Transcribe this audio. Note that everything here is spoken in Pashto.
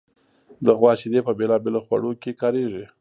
د غوا شیدې په بېلابېلو خوړو کې کارېږي.